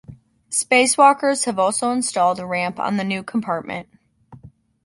Spacewalkers have also installed a ramp on the new compartment.